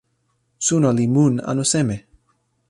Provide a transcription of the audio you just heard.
suno li mun anu seme?